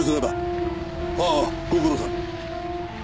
ああご苦労さん。